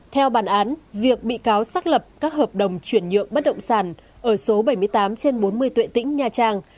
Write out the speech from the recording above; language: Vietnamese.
theo bàn án việc bị cáo xác lập các hợp đồng chuyển nhượng bất động sản ở số bảy mươi tám trên bốn mươi tuệ tĩnh nha trang